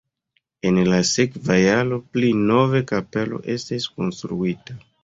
En la sekva jaro pli nova kapelo estis konstruita.